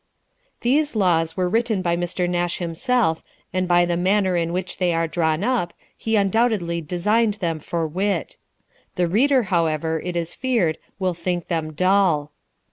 These Laws were written by Mr. Nash himself, and by the manner in which they are drawn up, he undoubtedly designed them for wit. The reader, however, it is feared, will think them dull.